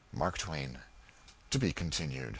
MARK TWAIN. (_To be Continued.